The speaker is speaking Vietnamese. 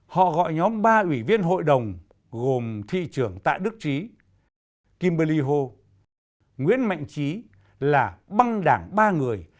họ gọi nhóm ba ủy viên hội đồng gồm thị trưởng tạ đức trí kimberly ho nguyễn mạnh trí là băng đảng ba người